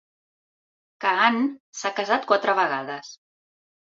Caan s'ha casat quatre vegades.